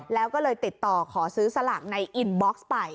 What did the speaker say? แล้วก็เลยติดต่อขอซื้อสลากในอินบ็อกซ์ไป